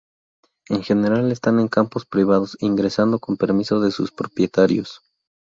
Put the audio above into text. En general están en campos privados, ingresando con permiso de sus propietarios.